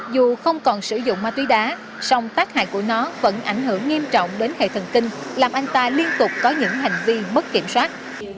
dù không còn sử dụng ma túy đá song tác hại của nó vẫn ảnh hưởng nghiêm trọng đến hệ thần kinh làm anh ta liên tục có những hành vi mất kiểm soát